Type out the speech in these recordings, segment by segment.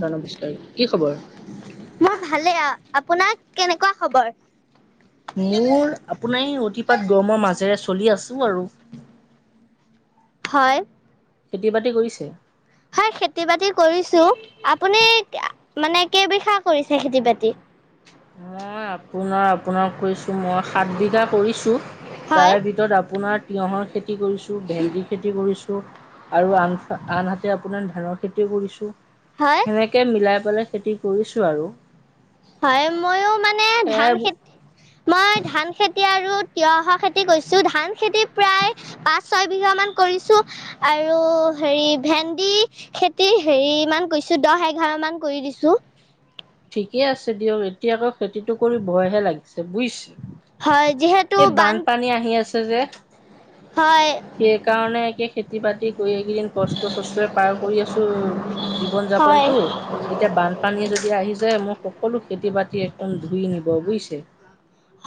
নমস্কাৰ কি খবৰ? ভালেই আপোনাক কেনেকুৱা খবৰ মোৰ আপোনাৰ অতিপাত গৰমৰ মাজেৰে চলি আছো আৰু হয় খেতি বাতি কৰিছে হয় খেতি বাতি কৰিছো আপুনি মানে কেইবিঘা কৰিছে খেতি বাতি মই আপোনাৰ আপোনাক কইছো মই সাত বিঘা কৰিছোঁ। হয় তাৰে ভিতৰত আপোনাৰ তিঁয়হৰ খেতি খেতি কৰিছো, ভেন্দিৰ খেতি কৰিছো আৰু আন আন আপোনাৰ ধানৰ খেতিও কৰিছো। হয় সেনেকে মিলাই পেলাই খেতি কৰিছো আৰু। হয় ময়ো মানে ধান সেয়াই খেতি, মই ধান খেতি আৰু তিয়হৰ খেতি কৰিছো। ধান খেতি প্ৰায় পাঁচ ছয় বিঘা মান কৰিছো আৰু হেৰি ভেন্দি খেতিৰ হেৰি ইমান কৰিছো, দহ এঘাৰ মান কৰি দিছো। [inaudible] ঠিকে আছে দিয়ক। এতিয়া আকৌ খেতিটো কৰি ভয়হে লাগিছে, বুইছে? হয় যিহেতু এই বান বানপানী আহি আছে যে হয় সেই কাৰণে কি খেতি-বাতি কৰি দিন কষ্ট চষ্টৰে পাৰ কৰি আছো, জীৱন হয় যাপনতো। এতিয়া বানপানীয়ে যদি আহি যে মোৰ সকলো খেতি-বাতি একদম ধুই নিব বুইছে।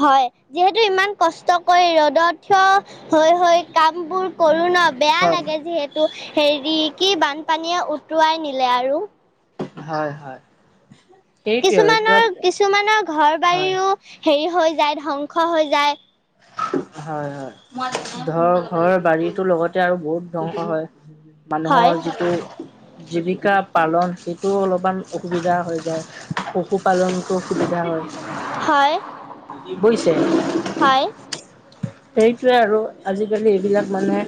হয় যিহেতু ইমান কষ্ট কৰি ৰ'দত থিয় হৈ হৈ কামবোৰ কৰো ন? বেয়া হয় লাগে যিহেতু হেৰি কি বানপানীয়ে উটুৱাই নিলে আৰু। হয় হয় সেইটোৱে আৰু কিছুমানৰ এতিয়া কিছুমানৰ ঘৰ হয় বাৰীও হেৰি হৈ যায় ধ্বংস হৈ যায়। হয়, হয়। ধৰ ঘৰৰ বাৰীতো লগতে আৰু বহুত ধ্বংস হয়। হয় মানুহৰ যিটো জীৱিকা পালন সেইটোও অলপ অকমান অসুবিধা হৈ যায়। পশুপালনতো অসুবিধা হয়। হয় বুইছে? হয় সেইটোৱে আৰু আজিকালি এইবিলাক মানে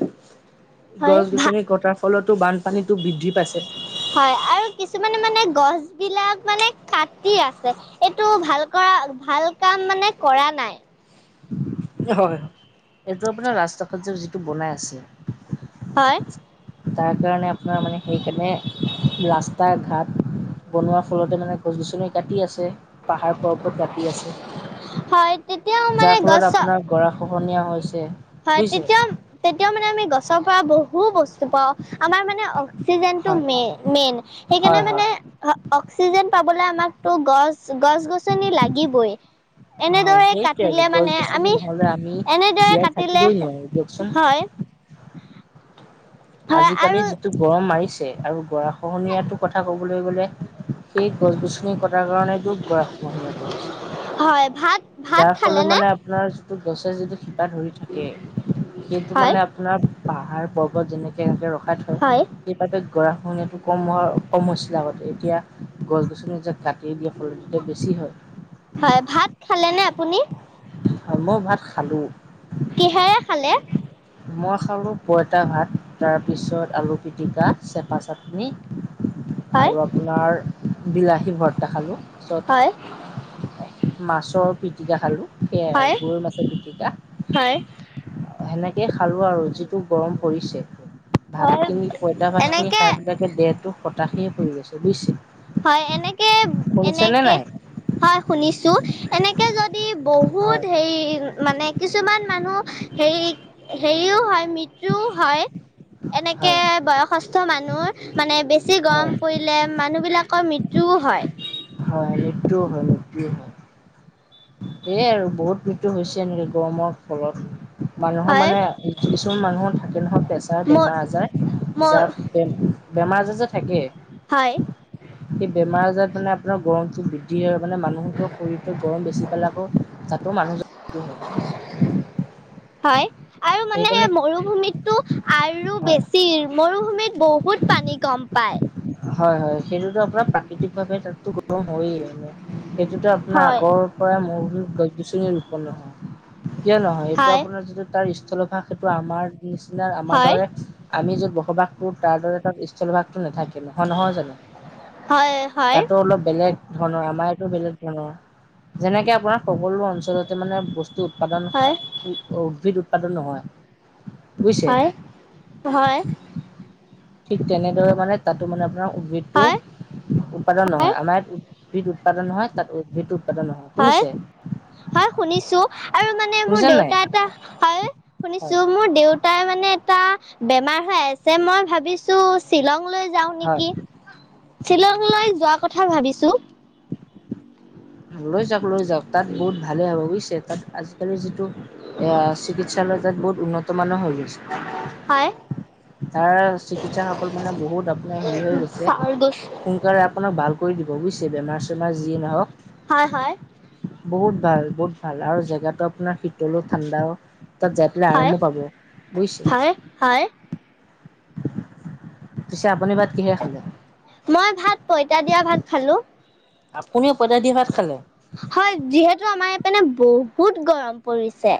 হয় গছ ভা গছনি কটাৰ ফলতো বানপানীটো বৃদ্ধি পাইছে। হয় আৰু কিছুমানে মানে গছ বিলাক মানে কাটি আছে। এইটো ভাল কৰা ভাল কাম মানে কৰা নাই। হয় এইটো আপোনাৰ ৰাস্তাটোত যে যিটো বনাই আছে হয়। তাৰ কাৰণে আপোনাৰ মানে সেইকাৰণে ৰাস্তা ঘাট বনোৱাৰ ফলতে মানে গছ গছনি কাটি আছে। পাহাৰ-পৰ্বত কাটি আছে। হয় তেতিয়াও মানে যাৰ গছ ফলত আপোনাৰ গৰাখহ নীয়া হৈছে হয় বুজিছে? তেতিয়া তেতিয়াও মানে আমি গছৰ পৰা বহু বস্তু পাওঁ। আমাৰ মানে অক্সিজেনটো হয়, মেই মেইন। সেইকাৰণে হয়, হয়, মানে হয়। অক্সিজেন পাবলে আমাকটো গছ গছ-গছনি লাগিবই। হয়। এনেদৰে সেইটোৱে আৰু কাটিলে মানে গছ-গছনি আমি নহ'লে আমি এনেদৰে জীয়াই কাট টিলে থাকিবই নোৱাৰো দিয়কচোন। হয় হয় আজিকালি আৰু যিটো গৰম মাৰিছে আৰু গৰাখহনীয়াটো কথা কবলে গলে সেই গছ-গছনি কটাৰ কাৰণেতো গৰাখহনীয়াটো হয় হৈছে। ভাত ভাত যাৰ ফলত খালেনে মানে আপোনাৰ যিটো গছে যিটো শিপা ধৰি থাকে। সেইটো হয় মানে আপোনাৰ পাহাৰ-পৰ্বত যেনেকে ৰাখে ৰ ৰখাই থয়। হয় সেইবাবে গৰাখহনীয়াটো কম হ কম হৈছিলে আগতে। এতিয়া গছ-গছনি যে কাটি দিয়াৰ ফলত এতিয়া বেছি হয়। হয়, ভাত খালেনে আপুনি? মই ভাত খালো। কিহেৰে খালে মই খালোঁ পইতা ভাত, তাৰপিছত আলু পিটিকা, চেপা চাটনি। হয় আৰু আপোনাৰ বিলাহী ভৰ্তা খালো। চত হয় মাছৰ পিটিকা খালো সেয়াই আৰু। হয় গৰৈ মাছৰ পিটিকা, হয় সেনেকে কে খালোঁ আৰু যিটো গৰম পৰিছে। ভাত হয় খিনি পঁইতা ভাত খিনি এনেকে খাই পেলাকে দেহটো সতাশে পৰি গৈছে বুইছে। হয় এনেকে, এনেকে নাই হয় শুনিছো, এনেকে যদ দি বহুত হয় হেৰি মানে কিছুমান মানুহ হেৰি হেৰিও হয়, মৃত্যুও হয়। এনেকে হয় বয়সস্থ মানুহ মানে বেছি গৰম হয় পৰিলে মানুহ বিলাক। ৰ মৃত্যু হয়। হয়। মৃত্যু হয় মৃত্যু হয়। এয়াই আৰু বহুত মৃত্যু হৈছে এনেকে গৰমৰ ফলত। মানুহৰ হয় মানে কিছুমান মানুহৰ থাকে নহয় প্ৰেছাৰ ম বেমাৰ আজাৰ। মোৰ যাৰ বেমাৰ আজাৰ যে থাকেই। হয়। সেই বেমাৰ আজাৰ মানে আপোনাৰ গৰমতটো বৃদ্ধি হয় মানে মানুহৰ শৰীৰতো গৰম বেছি পেলায়। তাতো মানুহ জ টো হয়। হয় আৰু মানে সেইকাৰণে মৰুভূমিটো আৰু হয় বেছি মৰু ভূমিত বহুত পানী কম পায়। হয় হয়। সেইটোতো আপোনাৰ প্ৰাকৃতিক ভাৱে তাতো গৰম হয়য়ে মানে। সেইটোত আপোনাৰ হয় আগৰ পৰা মৰু ভূমিত গছ গছনীৰ ৰূপন নহয়। কিয় নহয় এইটো হয় আপোনাৰ যিটো তাৰ স্থলভাস সেইটো আমাৰ নিচিনা আমাৰ হয় দৰে আমি যত বসবাস কৰো, তাৰ দৰে তাত স্থলভাগতটো নাথাকে। হয়, নহয় জানো? হয় হয় তাতো অলপ বেলেগ। ধৰণৰ আমাৰ এইটো বেলেগ ধৰণৰ। যেনেকে আপোনাৰ সকলো অঞ্চলতে মানে বস্তু। উৎপাদান হয় উদ্ভিদ উৎপাদন নহয়। বুজিছে হয় হয়। ঠিক তেনেদৰে মানে তাতো মানে আপোনাৰ উদ্ভিদটো হয় উৎপাদন নহয়। হয় আমাৰ ইয়াত উদ্ভিদ উৎপাদন হয়, তাত উদ্ভিদ উৎপাদন নহয়। হয় শুনিছে? হয় শুনিছো। আৰু মানে মোৰ শুনিছে নাই দেউতা এটা হল হয় শুনিছো, মোৰ দেউতাই মানে। টা বেমাৰ হৈ আছে। মই ভাবিছো শ্বিলং লৈ যাও হয় নেকি? শ্বিলং লৈ যোৱা কথা ভাবিছো। লৈ যাওক লৈ যাওক। তাত বহুত ভালে হ'ব বুজিছে। তাত আজিকালি যিটো। এয়া চিকিৎসালয় তাত বহুত উন্নত মান হৈ গৈছে। হয় তাৰ চিকিৎসা সকল মানে বহুত আপোনাৰ হেৰি হৈ গৈছে। হয় সোনকালে আপোনাক ভাল কৰি দিব বুজিছে, বেমাৰ চেমাৰ যিয়ে নহওক। হয় হয়। বহুত ভাল বহুত ভাল আৰু জেগাটো আপোনাৰ শীতলো ঠাণ্ডাও। তাত যাই পেলাই হয় আৰামো পাব বুজিছে? হয় হয় পিছে আপুনি বা। মই ভাত পইতা দিয়া ভাত খালো আপুনিও পইতা দি ভাত খালে হয় যিহেতু আমাৰ ইয়াত মানে বহুত গৰম পৰিছে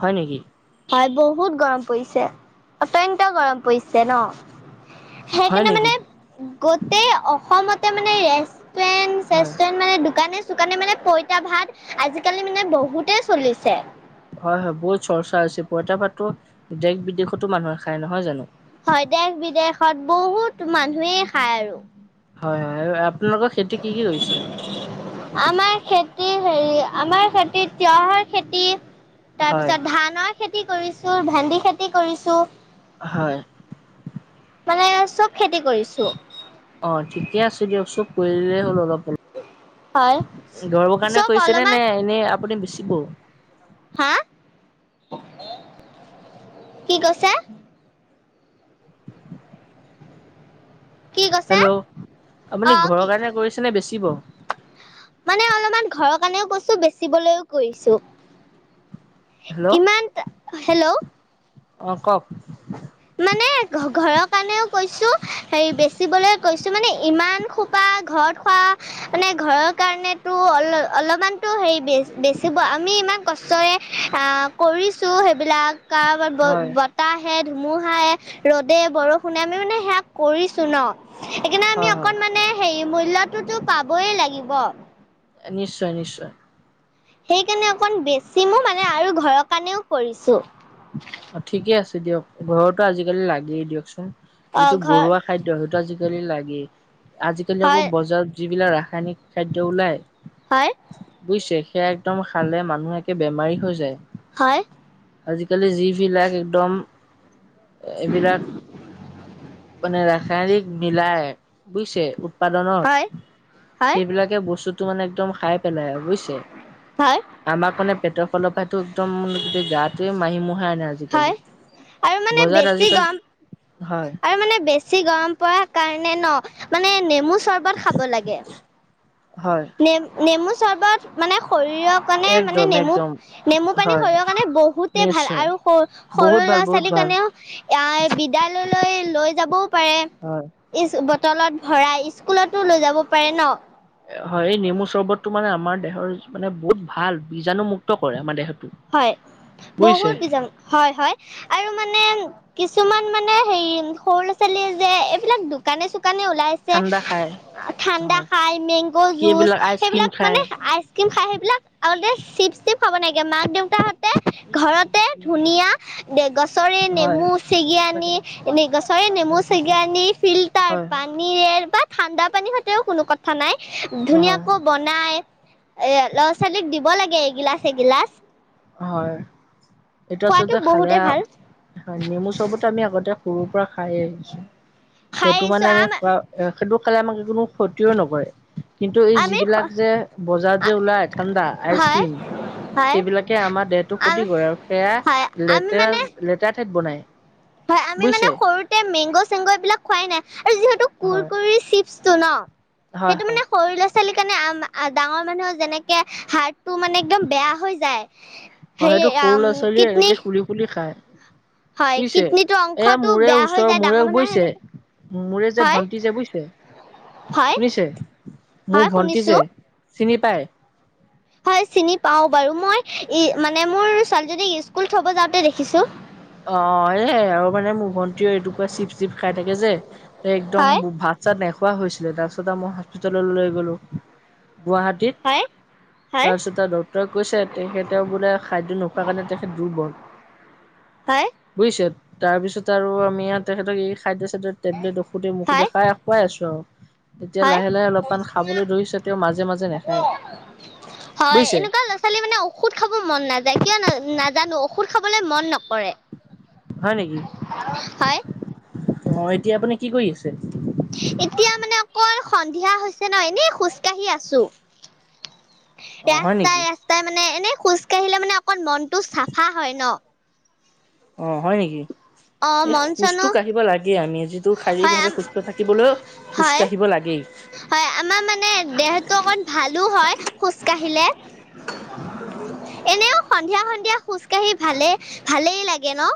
হয় নেকি? হয় বহুত গৰম পৰিছে অত্যন্ত গৰম পৰিছে ন হয় সেইকাৰণে নেকি মানে গোটেই অসমতে মানে হয় মানে দোকানে চোকানে মানে পইতা ভাত আজিকালি মানে বহুতে চলিছে। হয় হয় বহুত চৰ্চা হৈছে পইতা ভাতো দেশ বিদেশতো মানুহে খাই নহয় জানো হয় দেশ বিদেশত বহুত মানুহেই খায় আৰু হয় হয় আপোনালোকৰ খেতি কি কি কৰিছে? আমাৰ খেতিৰ হেৰি আমাৰ খেতিত তিঁয়হৰ খেতি হয় তাৰপিছত ধানৰ খেতি খেতি কৰিছো ভেন্দি খেতি কৰিছো হয় মানে চব খেতি কৰিছো অ ঠিকে আছে দিয়ক চব কৰি দিলেই হ'ল অলপ হয় গৰমৰ কাৰণে চব কৰিছে নে অলপমান নে এনেই আপুনি বেচিব হা কি কৈছে কি কৈছে হেল্ল' অ আপুনি ঘৰৰ কি কাৰণে কৰিছে নে বেচিব মানে অলপমান ঘৰৰ কাৰণেও বস্তু বেচিবলৈও কৰিছো ' হেল্ল' [inaudible] অ কক মানে ঘৰৰ কাৰণেও কৈছো হেৰি বেচিবলে কৈছো মানে ইমান খোপা ঘৰত খোৱা মানে ঘৰৰ কাৰণেতো অল অলপমান তো বেচিব আমি ইমান কষ্ট হৈয়ে আ কৰিছো বিলাক ক হয় বতাহে ধুমুহাই ৰ'দে বৰষুণে আমি মানে সেয়া কৰিছো ন সেইকাৰণে আমি হয় হয় অকণ মানে মূল্যটোতো পাবই লাগিব নিশ্চয় নিশ্চয় সেইকাৰণে অকণ বেছি ম মানে আৰু ঘৰৰ কাৰণেও কৰিছো অ ঠিকে আছে দিয়ক ঘৰতো আজিকালি লাগেই দিয়কচোন অ যিটো ঘৰ ঘৰুৱা খাদ্য সেইটো আজিকালি লাগেই আজিকালি আকৌ হয় বজাৰত যিবিলাক ৰাস ৰাসায়নিক খাদ্য ওলায় হয় ছে সেয়া একদম খালে মানুহ একে বেমাৰী হৈ যায় হয় আজিকালি যিবিলাক একদম এইবিলাক ৰাসায়নিক মিলায় বুইছে উৎপাদনত হয়, হয়, সেইবিলাকে বস্তুতটো মানে একদম খ পেলাই বুইছে হয়, আমাৰ মানে পেটৰ ফালৰ পৰাটো একদম গোটেই গাত তেই মাহি মোহাই আনে আজিকালি হয় আৰু মানে বজাৰত বেছি আজিকালি গৰম হয় আৰু মানে বেছি গৰম পাৰ কাৰণে ন মানে নেমু চৰ্বত খাব লাগে হয় নে নেমু চৰ্বত মানে শৰীৰৰ কাৰণে মানে একদম নেমু একদম নেমু পানী হয় শৰীৰৰ কাৰণে বহুতে ভাল নিশ্চয় আৰু সৰু সৰু বহুত ভাল ল'ৰা বহুত ছোৱালী ভাল কাৰণেও বিদ্যালয়লৈ লৈ যাবও হয় পাৰে তলত ভৰাই স্কুলতো লৈ যাব পাৰে ন হয় এই নেমু চৰ্বতটো মানে আমাৰ দেহৰ মানে বহুত ভাল বীজাণু মুুক্ত কৰে আমাৰ দেহত হয় বহুত বীজাণু হয় হয় আৰু মানে কিছুমান মানে হেৰি সৰু ল'ৰা ছোৱালী যে এইবিলাক দোকানে হেকাণে ওলাইছে ঠাণ্ডা খায় ঠাণ্ডা হয় খাই মেংগ' কি জুচ এইবিলাক আইচক্ৰীম সেইবিলাক মানে খায় আইচক্ৰীম খাই সেইবিলাক আতে চিপছ টিপ খাব নাইদিয়া দেউতাহঁতে ঘৰতে ধুনীয়া দে গছৰে হয় নেমু চিগি আনি এনেই গছৰে নেমু চেগি আনি ফিল্টাৰ হয় পানীৰে বা ঠাণ্ডা পানী সৈতেও কোনো কথা নাই হয় ধুনীয়াকৈ বনাই এ ল'ৰা ছোৱালীক দিব লাগে এগিলাচ এগিলাচ হয় এইটো খোৱাতো আচলতে খালে বহুতে ভাল হয় নেমু চবত আমি আগতে সৰুৰ পৰা খাই আহিছো খাই সেইটো আহিছো মানে আমি আম খ সেইটো খালে আমাক কোনো ক্ষতিৰও নকৰে [unintelligible] কিন্তু এই আমি যিবিলাক হয় যে বজাৰত যে ওলাই ঠাণ্ডা আইচ হয় ক্ৰীম হয় সেইবিলাক সেয়া আমাৰ দেহটো ক্ষতি কৰে আৰু হয় সেয়া আমি লেতেৰা মানে লেতেৰা ঠাইত বনাই হয় আমি মানে বুজিছে সৰুতে মেংগ চেংগ এইবিলাক খোৱাই নাই যিহেতু কোৰ হয় কুৰি চিপছটো ন হয় হয় ছোৱালী কাৰনে আম আ ডাঙৰ মানুহৰ যেনেকে হাৰট তটো মানে একদম বেয়া হৈ যায় হে সেইটো সৰু আম কিডনী হয় বুইছে কিডনীটো এয়া অংশটো মূৰে বেয়া হৈ ওচৰৰ যায় মূৰে ডাঙৰ মানুহৰ বৈছে সেনেকে মোৰে যে হয় ভণ্টি যে বুইছে হয় শুনিছে মোৰ হয় ভন্টি শুনিছো যে চিনি পায়? হয়, চিনি পাও বাৰু মই ই মানে মোৰ ছোৱালীজনীক স্কুল থব যাওঁতে দেখিছো। অহ, এ' আৰু মানে মোৰ ভণ্টি এটুকুৰা চিপচ খাই থাকে যে একদম হয় বু ভাত -চাত নে খোৱা হৈছিলে তাৰপিছত মই হস্পিতাল লৈ গ'লো হয় গুৱাহাটীত। হয় তাৰপিছতে ডক্টৰৰে কৈছে তেখেতে বোলে খাদ্য নোখোৱাৰ কাৰণে তেখেত দুৰ্বল হয় বুইছে তাৰপিছত আৰু আমি তেখেতক এই খাদ্য -চাদ্যৰ টেবলেট অসুধে -মুসুধে হয় খাই খুৱাই আছো আও। এতিয়া হয় লাহে- লাহে অলপমান খাবলৈ ধৰিছে তেওঁ মাজে -মাজে নেখায়। হয়, এনেকুৱা ল'ৰা -ছোৱালী মানে ঔষধ খাব মন নাযায়। কিয় না -নাজানো ঔষধ খাবলৈ মন নকৰে। হয়, নেকি হয় অ' এতিয়া আপুনি কি কৰি আছে? এতিয়া মানে অকল সন্ধিয়া হৈছে ন' এনেই খোজকাঢ়ি আছো। অ', হয় ৰাস্তাই নেকি -ৰাস্তাই মানে এনে খোজ কাঢ়িলে মানে অকন মনটো চাফা হয় ন'? অহ, হয় নেকি? অ এই মন খোজটো চনো কাঢ়িব লাগে আমি যিটো শাৰীৰিক হয় ভাৱে আম সুস্থ থাকিবলৈও খোজ হয় কাঢ়িব লাগে। হয়, আমাৰ মানে দেহটো অকণ ভালো হয় খোজ কাঢ়িলে। [inaudible] এনেও সন্ধিয়া- সন্ধিয়া খোজ কাঢ়ি ভালে- ভালেই লাগে ন'?